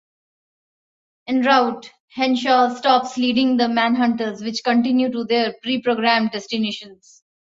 En route, Henshaw stops leading the Manhunters which continue to their preprogrammed destinations.